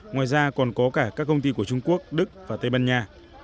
ngoài ra còn có cả các công ty của trung quốc đức và tây ban nha